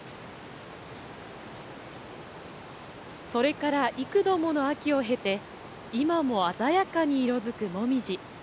それから幾度もの秋を経て、今も鮮やかに色づくモミジ。